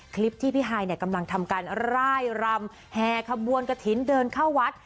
คลิปที่พี่ฮายนี่กำลังทำกันร่ายรำแหกระบวนกฐินเดินเข้าวัด